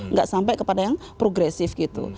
nggak sampai kepada yang progresif gitu